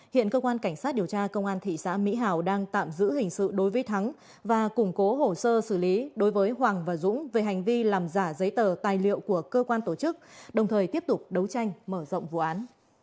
hiện cơ quan cảnh sát điều tra công an thị xã mỹ hào đang tạm giữ hình sự đối với thắng và củng cố hồ sơ xử lý đối với hoàng và dũng về hành vi làm giả giấy tờ tài liệu của cơ quan tổ chức đồng thời tiếp tục đấu tranh mở rộng vụ án